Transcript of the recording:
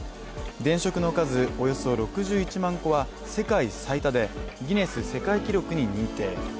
電飾の数、およそ６１万個は世界最多でギネス世界記録に認定。